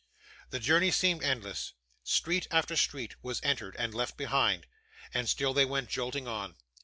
The journey seemed endless; street after street was entered and left behind; and still they went jolting on.